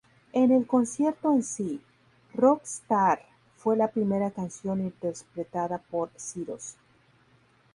En el concierto en sí, "Rock Star" fue la primera canción interpretada por Cyrus.